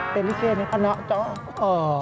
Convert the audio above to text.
เป็นริเกย์ในคณะจ๊อบ